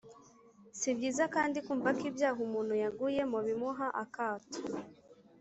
si byiza kandi kumva ko ibyaha umuntu yaguyemo bimuha akato.